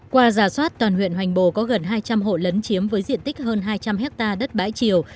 qua giả soát toàn huyện hoành bồ có gần hai trăm linh hộ lấn chiếm với diện tích hơn hai trăm linh hectare đất bãi chiều